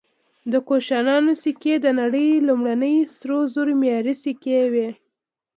د کوشانیانو سکې د نړۍ لومړني سرو زرو معیاري سکې وې